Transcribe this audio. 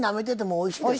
おいしいでしょ。